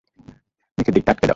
নিচের দিকটা আটকে দাও।